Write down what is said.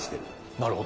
なるほど。